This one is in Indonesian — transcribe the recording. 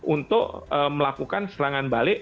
untuk melakukan serangan balik